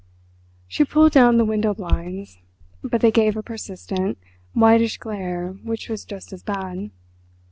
She pulled down the window blinds—but they gave a persistent, whitish glare which was just as bad.